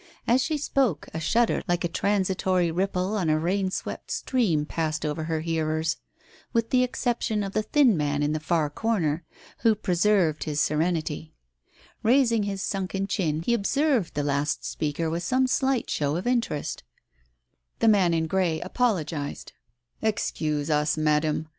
As she spoke, a shudder like a transitory ripple on a rain swept stream passed over her hearers, with the exception of the thin man in the far corner, who preserved his serenity. Raising his sunken chin, he observed the last speaker with some slight show of interest. Digitized by Google 138 TALES OF THE UNEASY The man in grey apologized. "Excuse us, Madam.